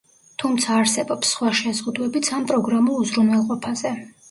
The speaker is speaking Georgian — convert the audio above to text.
თუმცა არსებობს სხვა შეზღუდვებიც ამ პროგრამულ უზრუნველყოფაზე.